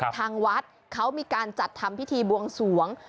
ทางวัดเขามีการจัดทำพิธีบวงสวง